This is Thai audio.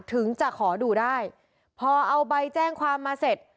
ถึงจะขอดูได้พอเอาใบแจ้งความมาเสร็จ